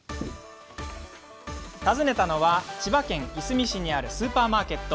訪ねたのは千葉県いすみ市にあるスーパーマーケット。